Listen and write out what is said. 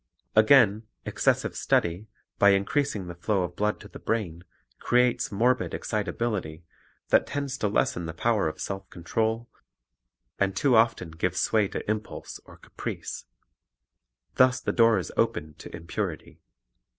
Again, excessive study, by increasing the flow of blood to the brain, creates morbid excitability that tends to lessen the power of self control, and too often gives sway to impulse or caprice. Thus the door is opened to impurity.